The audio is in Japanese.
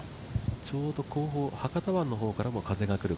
ちょうど後方、博多湾からも風が来る